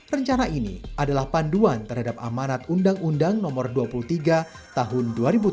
rencana ini adalah panduan terhadap amanat undang undang no dua puluh tiga tahun dua ribu tujuh belas